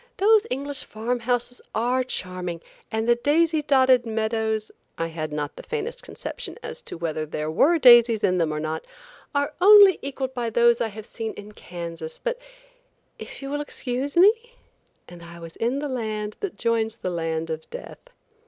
"Those English farm houses are charming and the daisy dotted meadows (I had not the faintest conception as to whether there were daisies in them or not), are only equaled by those I have seen in Kansas, but if you will excuse me?–" and I was in the land that joins the land of death.